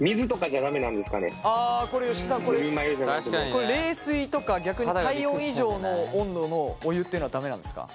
これ冷水とか逆に体温以上の温度のお湯っていうのは駄目なんですか？